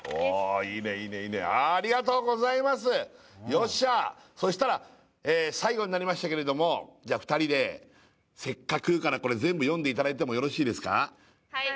よっしゃそしたら最後になりましたけれどもじゃあ２人で「せっかく」からこれ全部読んでいただいてもよろしいですか？